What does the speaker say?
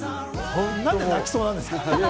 何で泣きそうなんですか？